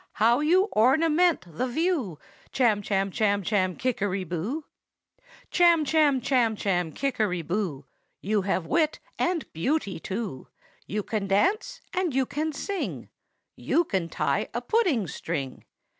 How you ornament the view, Chamchamchamchamkickeryboo! "'Chamchamchamchamkickeryboo, You have wit and beauty, too; You can dance, and you can sing; You can tie a pudding string.